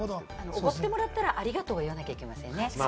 おごってもらったら、ありがとうは言わなきゃいけませんね。